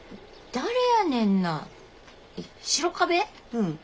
うん。